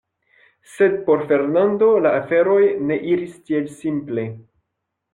Sed por Fernando la aferoj ne iris tiel simple.